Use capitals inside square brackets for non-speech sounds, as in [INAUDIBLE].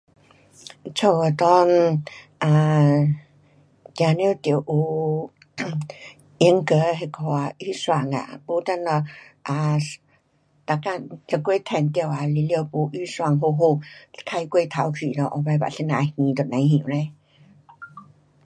um 家的内，啊，定得得有 [COUGHS] 严格的那个啊预算啊，没等下 um 每天一月赚多少进来没预算好好，花过头去了，以后次要啊怎样还都甭晓嘞。